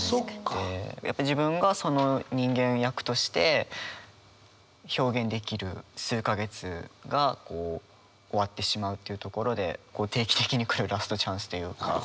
やっぱ自分がその人間役として表現できる数か月がこう終わってしまうというところで定期的に来るラストチャンスというか。